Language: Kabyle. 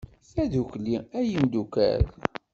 Tadukli, ay imdukal!